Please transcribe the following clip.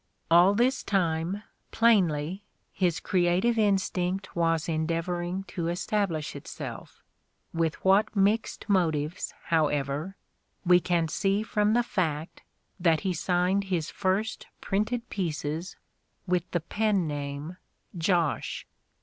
All this time, plainly, his crea tive instinct was endeavoring to establish itself, with what mixed motives, however, we can see from the fact that he signed his first printed pieces with the pen name In the Crucible 8i "Josh."